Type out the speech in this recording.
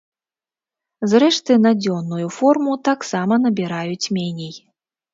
Зрэшты, на дзённую форму таксама набіраюць меней.